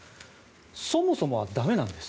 そもそもはだめなんです。